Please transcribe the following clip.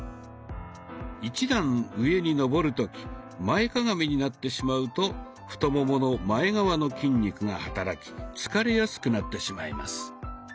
１段上に上る時前かがみになってしまうと太ももの前側の筋肉が働き疲れやすくなってしまいます。